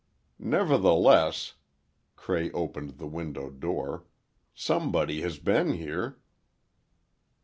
"Nevertheless," Cray opened the window door, "somebody has been here."